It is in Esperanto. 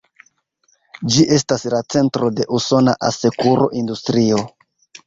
Ĝi estas la centro de usona asekuro-industrio.